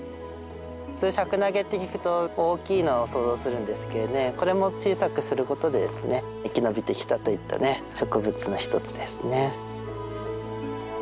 普通シャクナゲって聞くと大きいのを想像するんですけれどねこれも小さくすることでですね生き延びてきたといったね植物の一つですね。